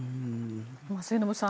末延さん